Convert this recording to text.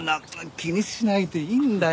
気にしないでいいんだよ